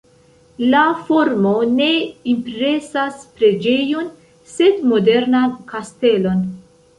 La formo ne impresas preĝejon, sed modernan kastelon.